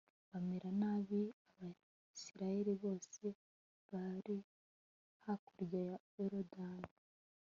bamerera nabi abayisraheli bose bari hakurya ya yorudani